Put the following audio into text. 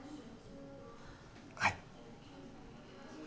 はい